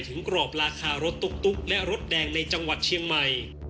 กรอบราคารถตุ๊กและรถแดงในจังหวัดเชียงใหม่